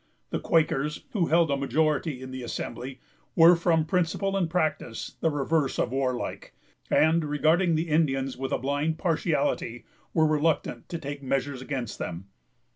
The Quakers, who held a majority in the Assembly, were from principle and practice the reverse of warlike, and, regarding the Indians with a blind partiality, were reluctant to take measures against them.